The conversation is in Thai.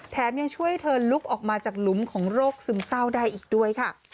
ยังช่วยเธอลุกออกมาจากหลุมของโรคซึมเศร้าได้อีกด้วยค่ะ